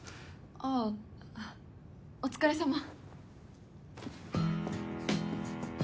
ああ、お疲れさま。